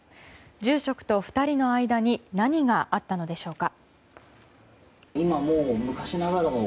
住職と２人の間に何があったのでしょうか。